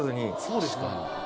そうですね。